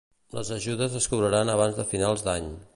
Les ajudes es cobraran abans de finals d'any.